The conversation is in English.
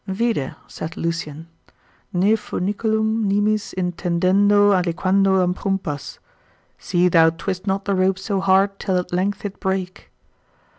Vide (saith Lucian) ne funiculum nimis intendendo aliquando abrumpas: See thou twist not the rope so hard, till at length it break.